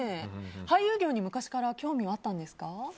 俳優業に昔から興味はあったんですか？